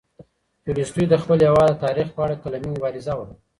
تولستوی د خپل هېواد د تاریخ په اړه قلمي مبارزه وکړه.